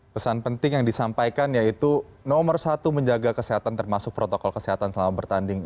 pesan penting yang disampaikan yaitu nomor satu menjaga kesehatan termasuk protokol kesehatan selama bertanding